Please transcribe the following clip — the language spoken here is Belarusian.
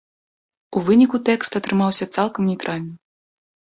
У выніку тэкст атрымаўся цалкам нейтральным.